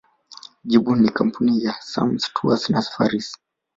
Jibu ni Kampuni ya Samâs Tours and Safaris